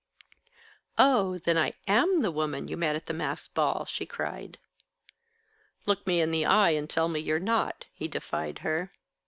"Oh, then I am the woman you met at the masked ball?" she cried. "Look me in the eye, and tell me you're not," he defied her.